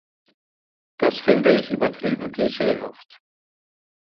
Das finde ich übertrieben klischeehaft.